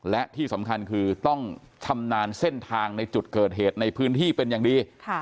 และที่สำคัญคือต้องชำนาญเส้นทางในจุดเกิดเหตุในพื้นที่เป็นอย่างดี